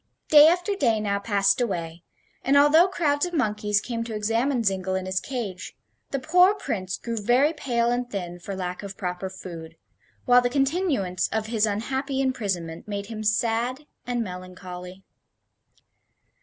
Day after day now passed away, and, although crowds of monkeys came to examine Zingle in his cage, the poor Prince grew very pale and thin for lack of proper food, while the continuance of his unhappy imprisonment made him sad and melancholy.